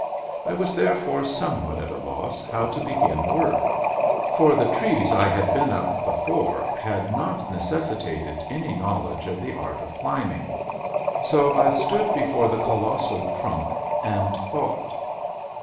I was, therefore, somewhat at a loss how to begin work ; for the trees I had been up before had not necessi tated any knowledge of the art of climbing. So I stood before the colossal trunk and thought.